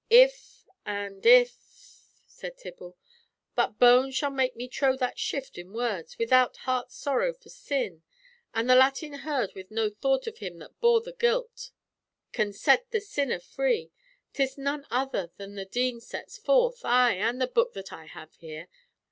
"If, and if—" said Tibble. "But bone shall make me trow that shrift in words, without heart sorrow for sin, and the Latin heard with no thought of Him that bore the guilt, can set the sinner free. 'Tis none other that the Dean sets forth, ay, and the book that I have here.